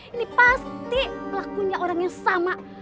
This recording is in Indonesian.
ini pasti pelakunya orang yang sama